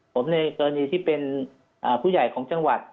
ผมในกรณีที่เป็นผู้ใหญ่ของจังหวัด